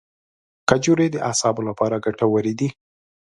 کجورې د اعصابو لپاره ګټورې دي.